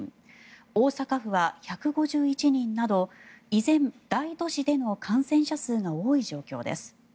大阪府は１５１人など依然、大都市での感染者数が多い状況です。